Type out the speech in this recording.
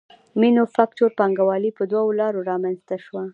مینوفکچور پانګوالي په دوو لارو رامنځته شوه